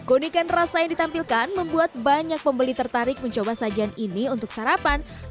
unikan rasa yang ditampilkan membuat banyak pembeli tertarik mencoba sajian ini untuk sarapan